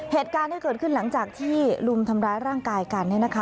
เหตุการณ์ที่เกิดขึ้นหลังจากที่ลุมทำร้ายร่างกายกันเนี่ยนะคะ